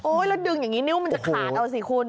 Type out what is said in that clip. แล้วดึงอย่างนี้นิ้วมันจะขาดเอาสิคุณ